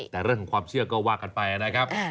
แต่เรื่องของความเชื่อก็ว่ากันไปนะครับ